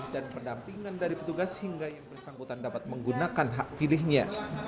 dan pendampingan dari petugas hingga yang bersangkutan dapat menggunakan hak pilihnya